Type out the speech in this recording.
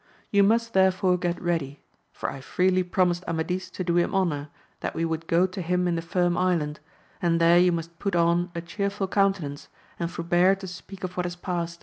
You must therefore get ready, for I freely promised Amadis to do him honour, that we would go to him in the Firm Island, and there you must put on a chearful countenance, and forbear to speak of what has past.